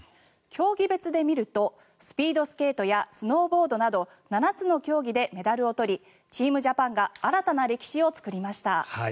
競技別で見るとスピードスケートやスノーボードなど７つの競技でメダルを取りチームジャパンが新たな歴史を作りました。